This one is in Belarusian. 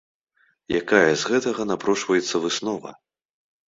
Якая з гэтага напрошваецца выснова?